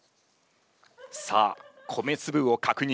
さあ米つぶを確認。